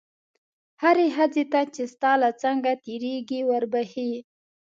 هرې ښځې ته چې ستا له څنګه تېرېږي وربښې.